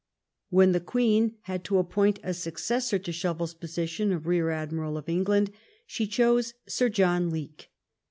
When the Queen had to appoint a successor to Shovel's position of rear admiral of England, she chose Sir John Leake.